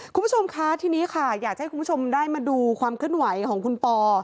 คุณผู้ชมคะทีนี้ค่ะอยากให้คุณผู้ชมได้มาดูความเคลื่อนไหวของคุณปอ